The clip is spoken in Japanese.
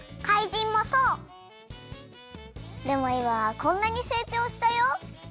でもいまはこんなにせいちょうしたよ。